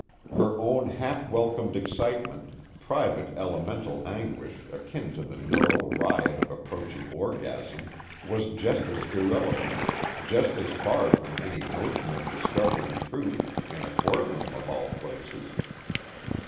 Her own half welcomed excitement, private elemental anguish akin to the neural riot of approaching orgasm, was just as irrelevant, just as far from any notion of discovering truth in a courtroom, of all places!